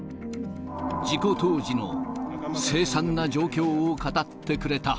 事故当時の凄惨な状況を語ってくれた。